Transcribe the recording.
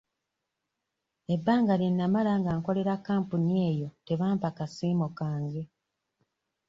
Ebbanga lye namala nga nkolera kampuni eyo tebampa kasiimo kange.